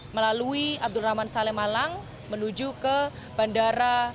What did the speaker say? melalui abdul rahman saleh malang menuju ke bandara